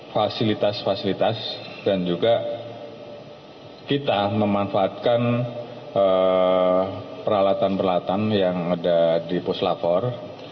fasilitas fasilitas dan juga kita memanfaatkan peralatan peralatan yang ada di puslapor